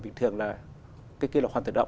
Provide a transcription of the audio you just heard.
bình thường là cái kia là hoàn tự động